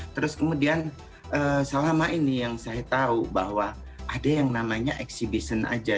terus kemudian selama ini yang saya tahu bahwa ada yang namanya exhibition aja